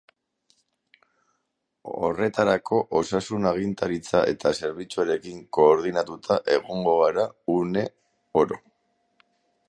Horretarako, osasun agintaritza eta zerbitzuekin koordinatuta egongo gara une oro.